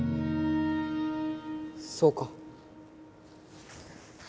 そうか。